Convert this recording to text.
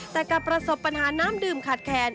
แต่กลับประสบปัญหาน้ำดื่มขาดแค้น